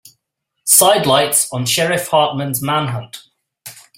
Sidelights on Sheriff Hartman's manhunt.